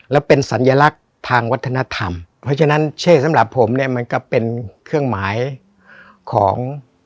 แล้วเป็นสัญลักษณ์ทางวัฒนธรรมเพราะฉะนั้นเช่สำหรับผมเนี่ยมันก็เป็นเครื่องหมายของ